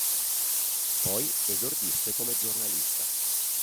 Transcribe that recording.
Poi esordisce come giornalista.